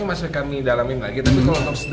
masih kami dalamin lagi tapi kalau untuk